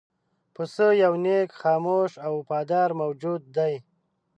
پسه یو نېک، خاموش او وفادار موجود دی.